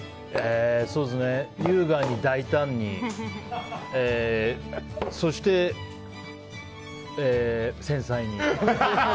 優雅に大胆にそして、繊細に。